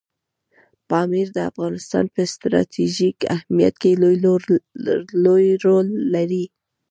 پامیر د افغانستان په ستراتیژیک اهمیت کې لوی رول لري.